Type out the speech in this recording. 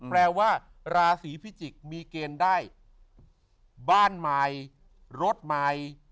แปลว่าราศีพิจิกษ์มีเกณฑ์ได้บ้านใหม่รถใหม่